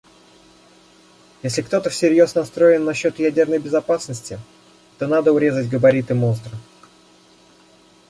Если кто-то всерьез настроен насчет ядерной безопасности, то надо урезать габариты монстра.